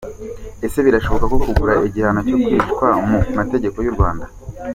Ese birashoboka kugarura igihano cyo kwicwa mu mategeko y’u rwanda?.